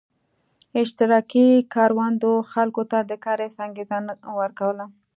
اشتراکي کروندو خلکو ته د کار هېڅ انګېزه نه ورکوله